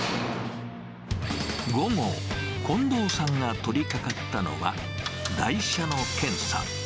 午後、近藤さんが取りかかったのは、台車の検査。